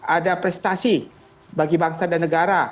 ada prestasi bagi bangsa dan negara